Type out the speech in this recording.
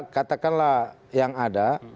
katakanlah yang ada